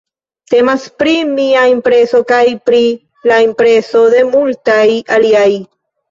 Temas pri mia impreso kaj pri la impreso de multaj aliaj.